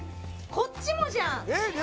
こっちもじゃんあっ